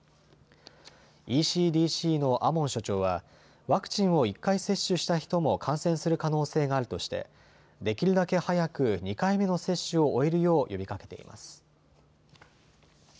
ＥＣＤＣのアモン所長は、ワクチンを１回接種した人も感染する可能性があるとしてできるだけ早く２回目の接種を終えるよう呼びかけています。